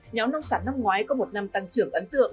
nhóm nông sản năm ngoái có một năm tăng trưởng ấn tượng